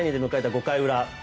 ５回裏。